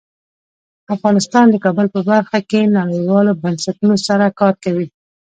افغانستان د کابل په برخه کې نړیوالو بنسټونو سره کار کوي.